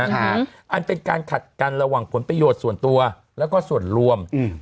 อันเป็นการขัดกันระหว่างผลประโยชน์ส่วนตัวแล้วก็ส่วนรวมอืม